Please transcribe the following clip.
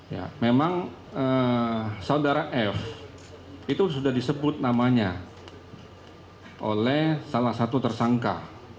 ya memang saudara f itu sudah disebut namanya oleh salah satu tersangka